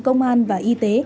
công an và y tế